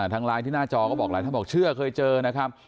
ทางไลน์ที่หน้าจอก็บอกหลายท่านบอกเชื่อเคยเจอนะครับ